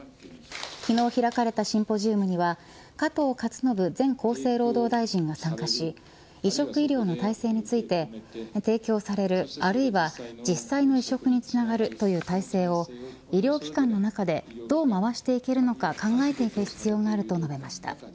昨日、開かれたシンポジウムには加藤勝信前厚生労働大臣が参加し移植医療の体制について提供される、あるいは実際の移植につながるという体制を医療機関の中でどう回していけるのか考えていく必要があると述べました。